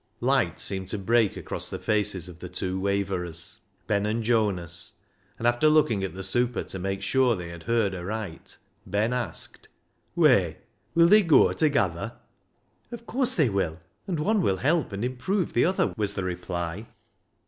Light seemed to break across the faces of the two waverers, Ben and Jonas, and after looking at the super to make sure that they had heard aright, Ben asked —" Whey, will they goa togather ?"" Of course they will ; and one will help and improve the other," was the reply.